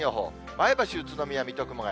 前橋、宇都宮、水戸、熊谷。